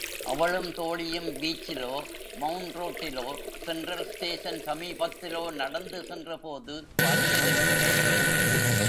அவளும் தோழியும் பீச்சிலோ, மெளண்ட் ரோட்டிலோ, central station சமீபத்திலோ நடந்து சென்ற போது பார்த்திருக்கிறேன்.